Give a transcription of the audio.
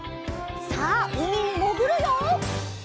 さあうみにもぐるよ！